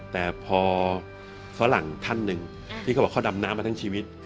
แต่พอฝรั่งท่านหนึ่งที่เขาบอกเขาดำน้ำมาทั้งชีวิต